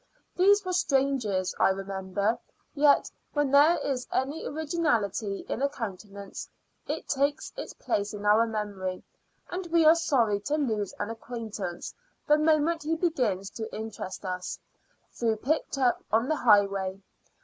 These were strangers I remember; yet when there is any originality in a countenance, it takes its place in our memory, and we are sorry to lose an acquaintance the moment he begins to interest us, though picked up on the highway.